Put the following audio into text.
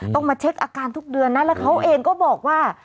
ต้องมาเช็คอาการทุกเดือนนะแล้วเขาเองก็บอกว่า